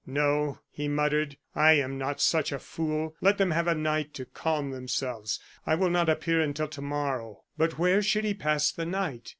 "No," he muttered. "I am not such a fool! Let them have a night to calm themselves. I will not appear until to morrow." But where should he pass the night?